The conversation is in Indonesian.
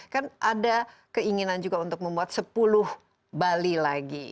kan ada keinginan juga untuk membuat sepuluh bali lagi